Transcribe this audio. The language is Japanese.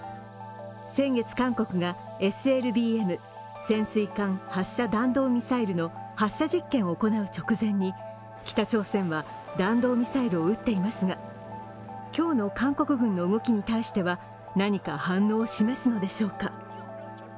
先月、韓国がＳＬＢＭ＝潜水艦発射弾道ミサイルの発射実験を行う直前に北朝鮮は弾道ミサイルを打っていますが今日の韓国軍の動きに対しては、何か反応を示すのでしょうか。